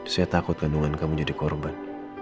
saya takut kandungan kamu menjadi korban